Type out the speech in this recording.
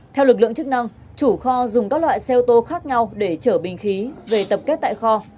theo lực lượng chức năng chủ kho dùng các loại xe ô tô khác nhau để chở bình khí về tập kết tại kho